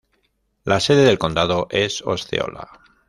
La sede del condado es Osceola.